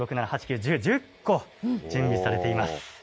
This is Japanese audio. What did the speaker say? ９、１０、１０個、準備されています。